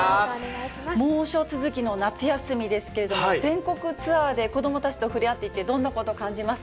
猛暑続きの夏休みですけれども、全国ツアーで子どもたちと触れ合っていて、どんなこと感じます？